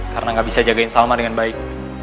karena gak bisa jagain salma dengan baik